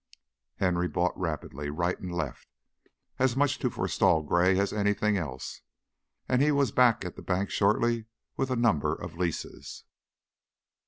He bought rapidly, right and left, as much to forestall Gray as anything else, and he was back at the bank shortly with a number of leases.